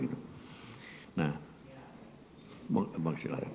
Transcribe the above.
nah mohon silakan